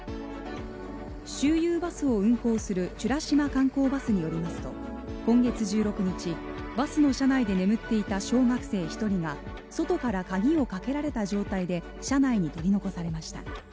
周遊バスを運行する美ら島観光バスによりますと今月１６日、バスの車内で眠っていた小学生１人が、外から鍵をかけられた状態で車内に取り残されました。